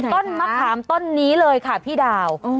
ต้นมะขามต้นนี้เลยค่ะพี่ดาว